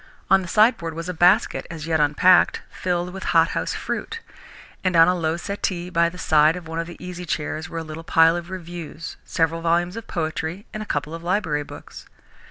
On the sideboard was a basket, as yet unpacked, filled with hothouse fruit, and on a low settee by the side of one of the easy chairs were a little pile of reviews, several volumes of poetry, and a couple of library books.